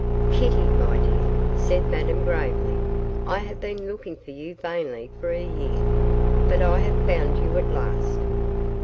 'Kitty, my dear,' said Madame, gravely, 'I have been looking for you vainly for a year but I have found you at last.